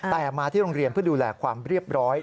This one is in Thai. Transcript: แต่มาที่โรงเรียนเพื่อดูแลความเรียบร้อย